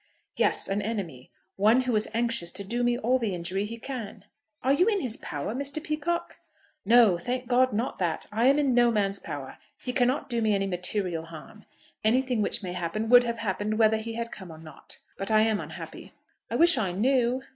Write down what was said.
"Yes, an enemy. One who is anxious to do me all the injury he can." "Are you in his power, Mr. Peacocke?" "No, thank God; not that. I am in no man's power. He cannot do me any material harm. Anything which may happen would have happened whether he had come or not. But I am unhappy." "I wish I knew."